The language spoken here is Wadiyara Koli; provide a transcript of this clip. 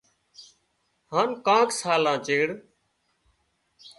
هانَ ڪانڪ سالان چيڙ